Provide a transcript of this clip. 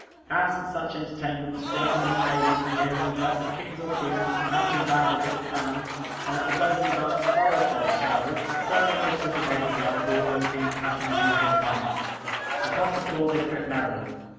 As, at such entertainments, gentlemen and ladies appear in the dress of kings or queens, mountain bandits or clowns, and at the close of the dance throw off their disguises, so, in this dissipated life, all unclean passions move in mask. Across the floor they trip merrily.